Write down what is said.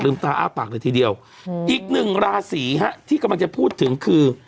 ตาอ้าปากเลยทีเดียวอีกหนึ่งราศีฮะที่กำลังจะพูดถึงคือ